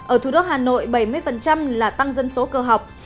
ở thủ đô hà nội bảy mươi là tăng dân số cơ học